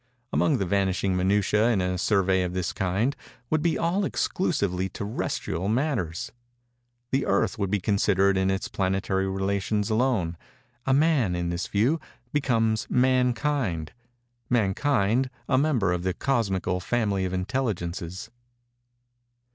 Among the vanishing minutiæ, in a survey of this kind, would be all exclusively terrestrial matters. The Earth would be considered in its planetary relations alone. A man, in this view, becomes mankind; mankind a member of the cosmical family of Intelligences.